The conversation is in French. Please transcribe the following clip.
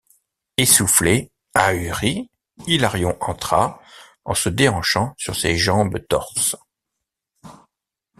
Essoufflé, ahuri, Hilarion entra, en se déhanchant sur ses jambes torses.